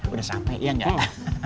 udah sampai iya nggak